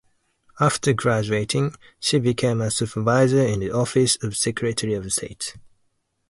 After graduating she became a supervisor in the Office of Secretary of State.